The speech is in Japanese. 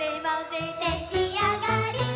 「できあがり！」